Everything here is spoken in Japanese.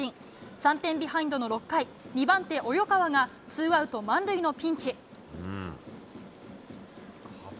３点ビハインドの６回２番手、及川がツーアウト満塁のピンチ。